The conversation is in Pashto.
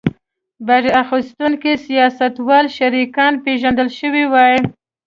بډه اخیستونکي سیاستوال شریکان پېژندل شوي وای.